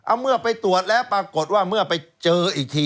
เมื่อไปตรวจแล้วปรากฏว่าเมื่อไปเจออีกที